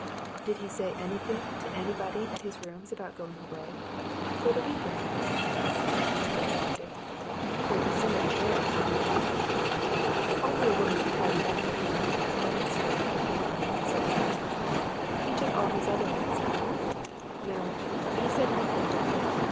"Did he say anything to anybody at his rooms about going away? for the week end, for instance?" asked the detective. "There'd be somebody there, of course." "Only a woman who tidied up for him and got his breakfast ready of a morning," said Simmons. "He took all his other meals out. No he said nothing to her.